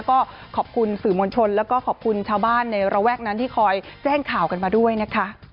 ก็ขอบคุณสื่อมวลชนแล้วก็ขอบคุณชาวบ้านในระแวกนั้นที่คอยแจ้งข่าวกันมาด้วยนะคะ